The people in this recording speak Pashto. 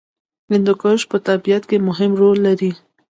هندوکش په طبیعت کې مهم رول لري.